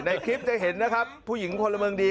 ในคลิปจะเห็นนะครับผู้หญิงพลเมืองดี